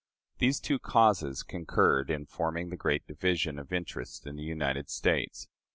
These two causes concurred in forming the great division of interests in the United States.